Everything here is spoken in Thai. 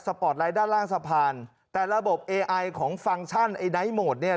สปอร์ตลายด้านล่างสะพานแต่ระบบเอไอของไอไนท์โหมดเนี้ย